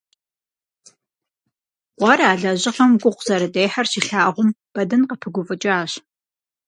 Къуэр, а лэжьыгъэм гугъу зэрыдехьыр щилъагъум, Бэдын къыпыгуфӀыкӀащ.